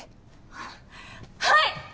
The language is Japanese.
あっはい！